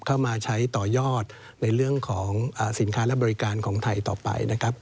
เข้ามาใช้ต่อยอดในเรื่องของสินค้าและบริการของไทยต่อไปนะครับ